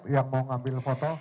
ya mau ngambil foto